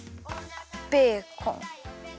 ベーコン。